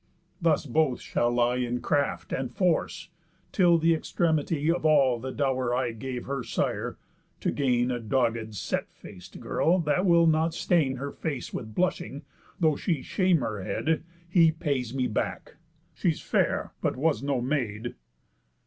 Thus both shall lie In craft, and force, till the extremity Of all the dow'r I gave her sire (to gain A doggéd set fac'd girl, that will not stain Her face with blushing, though she shame her head) He pays me back. She's fair, but was no maid."